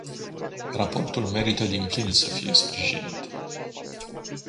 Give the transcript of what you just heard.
Raportul merită din plin să fie sprijinit.